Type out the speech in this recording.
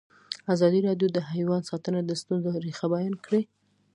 ازادي راډیو د حیوان ساتنه د ستونزو رېښه بیان کړې.